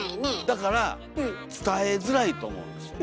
だから伝えづらいと思うんですよ。